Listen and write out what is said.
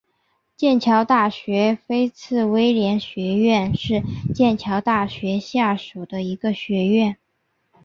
剑桥大学菲茨威廉学院是剑桥大学下属的一个学院。